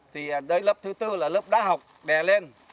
thì đấy lớp thứ tư là lớp đá học đè lên